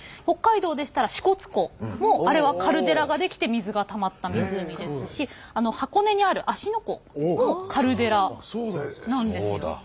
北海道でしたら支笏湖もあれはカルデラが出来て水がたまった湖ですし箱根にある芦ノ湖もカルデラなんですよ。